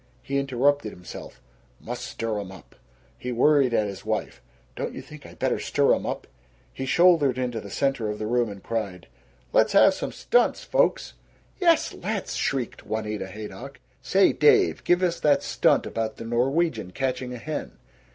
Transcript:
He interrupted himself, "Must stir 'em up." He worried at his wife, "Don't you think I better stir 'em up?" He shouldered into the center of the room, and cried: "Let's have some stunts, folks." "Yes, let's!" shrieked Juanita Haydock. "Say, Dave, give us that stunt about the Norwegian catching a hen."